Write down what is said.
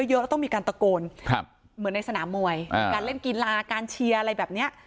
แล้วต้องมีการตะโกนเหมือนในสนามมวยการเล่นกีฬาการเชียร์อะไรแบบนี้